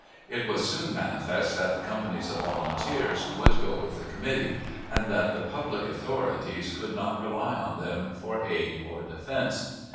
It was soon manifest that the companies of volunteers would go with the "committee," and that the public authorities could not rely on them for aid or defense.